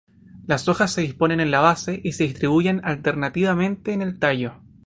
Las hojas se disponen en la base y se distribuyen alternativamente en el tallo.